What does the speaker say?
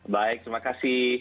baik terima kasih